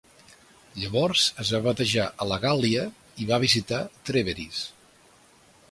Llavors es va batejar a la Gàl·lia, i va visitar Trèveris.